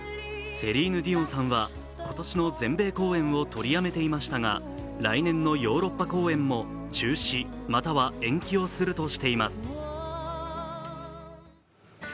セリーヌ・ディオンさんは、今年の全米公演を取りやめていましたが、来年のヨーロッパ公演も中止または延期をするとしています。